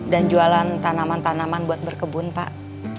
jualan tanaman tanaman buat berkebun pak